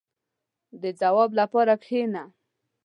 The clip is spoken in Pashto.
• د ځواب لپاره کښېنه.